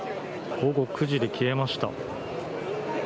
午後９時で消えました。